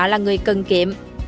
là người cần kiệm